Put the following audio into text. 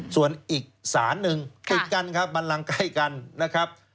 ส่วนอีกสารหนึ่งติดกันครับบันลังใกล้กันนะครับ